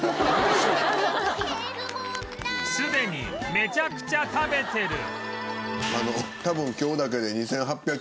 すでにめちゃくちゃ食べてる